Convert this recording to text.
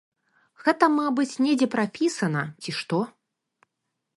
Гэта, мабыць, недзе прапісана ці што.